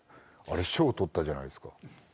あれ賞取ったじゃないっすか。